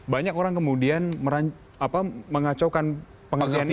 banyak orang kemudian mengacaukan pengertian itu